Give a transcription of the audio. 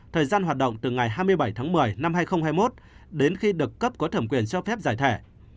thời gian hoạt động từ ngày hai mươi bảy tháng một mươi năm hai nghìn hai mươi một đến khi được cấp có thẩm quyền cho phép giải thể